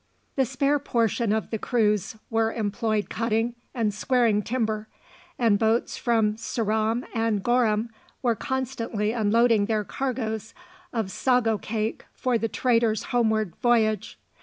The spare portion of the crews were employed cutting and squaring timber, and boats from Ceram and Goram were constantly unloading their cargoes of sago cake for the traders' homeward voyage.